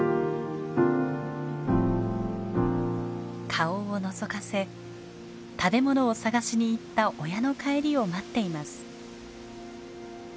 顔をのぞかせ食べ物を探しに行った親の帰りを待っています。